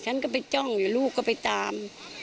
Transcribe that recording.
ฉันก็ไปจ้องเดี๋ยวลูกก็ไปตาม